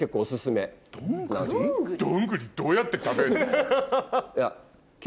どんぐりどうやって食べるの？